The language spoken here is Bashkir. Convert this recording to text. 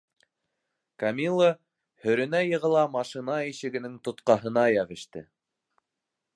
- Камилла һөрөнә-йығыла машина ишегенең тотҡаһына йәбеште.